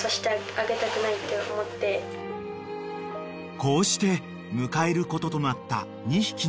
［こうして迎えることとなった２匹の子猫］